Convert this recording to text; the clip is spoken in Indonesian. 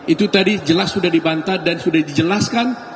itu tadi jelas sudah dibantah dan sudah dijelaskan